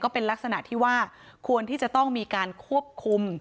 เป็นลักษณะที่ว่าควรที่จะต้องมีการควบคุม